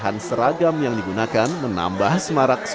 pilihan seragam yang digunakan menambah semangat musik patrol ini